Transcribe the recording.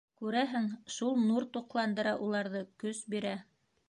Күрәһең, шул нур туҡландыра уларҙы, көс бирә.